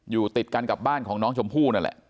อยู่ติดกันกับบ้านของน้องชมพู่นั่นแหละ